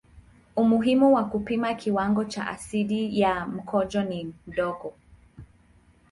Umuhimu wa kupima kiwango cha asidi ya mkojo ni mdogo.